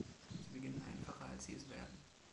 Sie beginnen einfacher als sie es werden.